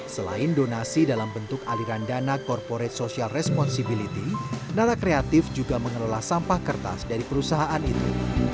selain donasi dalam bentuk aliran dana corporate social responsibility nara kreatif juga mengelola sampah kertas dari perusahaan itu